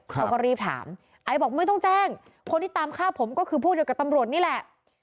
เขาก็รีบถามไอบอกไม่ต้องแจ้งคนที่ตามฆ่าผมก็คือผู้เดียวกับตำรวจนี่แหละ